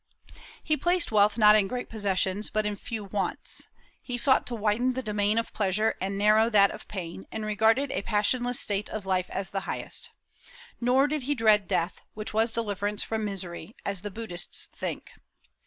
He placed wealth not in great possessions, but in few wants. He sought to widen the domain of pleasure and narrow that of pain, and regarded a passionless state of life as the highest. Nor did he dread death, which was deliverance from misery, as the Buddhists think.